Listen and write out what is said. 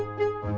gak ada apa apa